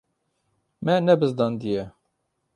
Me nebizdandiye.